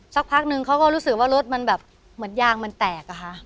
สักพักนึงเขาก็รู้สึกว่ารถมันแบบเหมือนยางมันแตกอะค่ะ